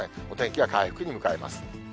お天気は回復に向かいます。